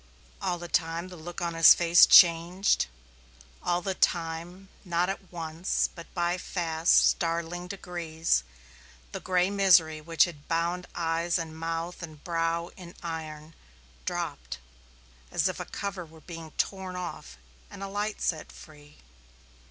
All the time the look of his face changed; all the time, not at once, but by fast, startling degrees, the gray misery which had bound eyes and mouth and brow in iron dropped as if a cover were being torn off and a light set free.